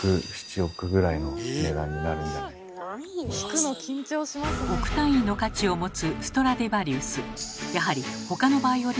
億単位の価値を持つストラディヴァリウス。